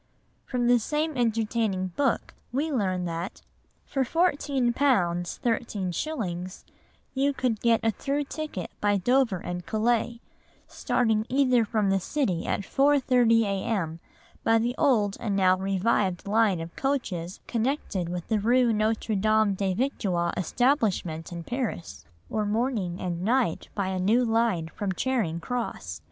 From the same entertaining book we learn that, "For £4, 13s. you could get a through ticket by Dover and Calais, starting either from the City at 4.30 a.m. by the old and now revived line of coaches connected with the rue Notre Dame des Victoires establishment in Paris, or morning and night by a new line from Charing Cross.